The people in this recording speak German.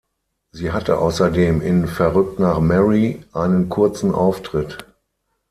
Sie hatte außerdem in "Verrückt nach Mary" einen kurzen Auftritt.